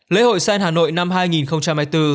lễ hội sen hà nội năm hai nghìn hai mươi bốn